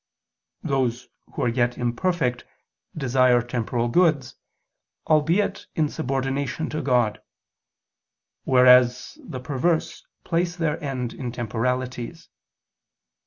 Those who are yet imperfect desire temporal goods, albeit in subordination to God: whereas the perverse place their end in temporalities.